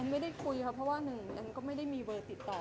ไม่ได้คุยค่ะเพราะว่าหนึ่งแอมก็ไม่ได้มีเบอร์ติดต่อ